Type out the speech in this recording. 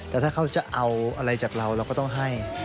แต่ถ้าเขาจะเอาอะไรจากเราเราก็ต้องให้